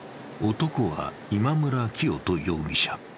男は今村磨人容疑者。